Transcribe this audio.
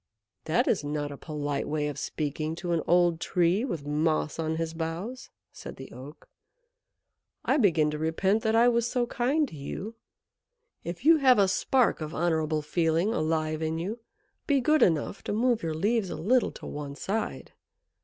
"That is not a polite way of speaking to an old Tree with moss on his boughs," said the Oak. "I begin to repent that I was so kind to you. If you have a spark of honourable feeling alive in you, be good enough to move your leaves a little to one side.